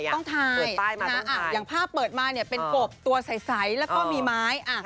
ต้องทายอย่างภาพเปิดมาเป็นโกบตัวใสแล้วก็มีไม้